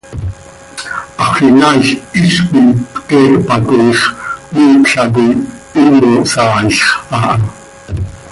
Haxöl inaail hizcoi pte hpacooix, cmiipla coi himo hsaailx aha.